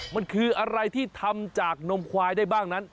มันคืออะไรที่ทำจากนมควายได้บ้างนั้น